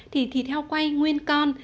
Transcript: thì thịt heo quay nguyên con